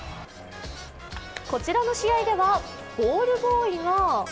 こちらの試合では、ボールボーイが！